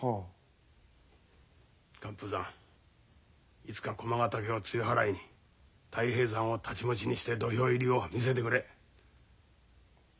いつか駒ヶ岳を露払いに太平山を太刀持ちにして土俵入りを見せてくれ。